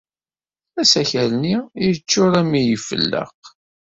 Asakal-nni yeččuṛ armi ay ifelleq.